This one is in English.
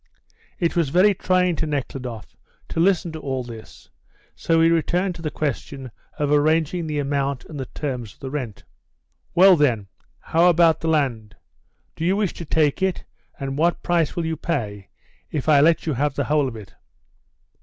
It was very trying to Nekhludoff to listen to all this, so he returned to the question of arranging the amount and the terms of the rent. "Well, then, how about the land? Do you wish to take it, and what price will you pay if I let you have the whole of it?"